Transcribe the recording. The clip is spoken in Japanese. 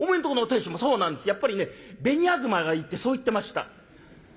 やっぱりね紅あずまがいいってそう言ってました」。